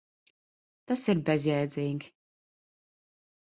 Tas ir bezjēdzīgi.